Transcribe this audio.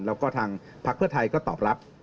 แล้วก็ทางพักเพื่อไทยก็ตอบรับ